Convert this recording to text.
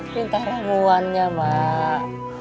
minta ramuannya mak